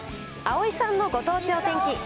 あおいさんのご当地お天気。